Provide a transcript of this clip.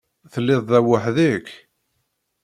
Telliḍ da weḥd-k?